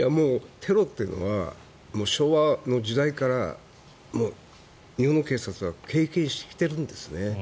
テロというのは昭和の時代から日本の警察は経験してきてるんですね。